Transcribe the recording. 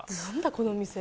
この店。